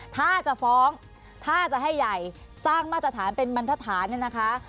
ถ้าจะฟ้องถ้าจะให้ใหญ่สร้างมาตรฐานเป็นบรรทฐานเนี่ยนะคะ